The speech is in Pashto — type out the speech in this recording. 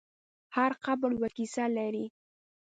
هر قبر یوه کیسه لري.